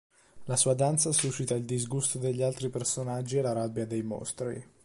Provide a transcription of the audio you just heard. La sua danza suscita il disgusto degli altri personaggi e la rabbia dei mostri.